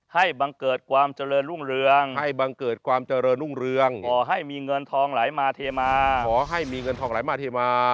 ให้บังเกิดความเจริญรุ่งเรืองขอให้มีเงินทองหลายมาเทมา